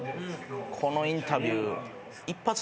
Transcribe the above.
このインタビュー。